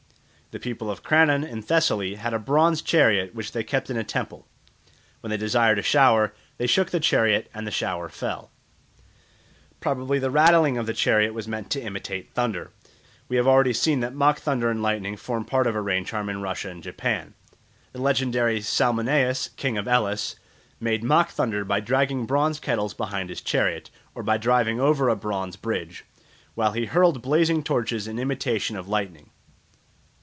The people of Crannon in Thessaly had a bronze chariot which they kept in a temple. When they desired a shower they shook the chariot and the shower fell. Probably the rattling of the chariot was meant to imitate thunder; we have already seen that mock thunder and lightning form part of a rain charm in Russia and Japan. The legendary Salmoneus, King of Elis, made mock thunder by dragging bronze kettles behind his chariot, or by driving over a bronze bridge, while he hurled blazing torches in imitation of lightning.